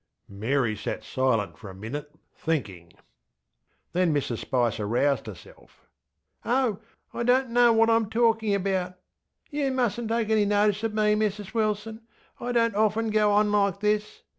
ŌĆÖ Mary sat silent for a minute thinking. Then Mrs Spicer roused herselfŌĆö ŌĆśOh, I donŌĆÖt know what IŌĆÖm talkinŌĆÖ about! You mustnŌĆÖt take any notice of me, Mrs Wilson, ŌĆöI donŌĆÖt often go on like this.